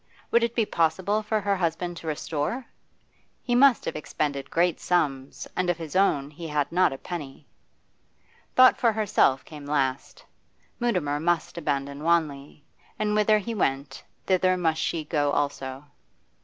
Would it be possible for her husband to restore? He must have expended great sums, and of his own he had not a penny. Thought for herself came last. Mutimer must abandon Wanley, and whither he went, thither must she go also.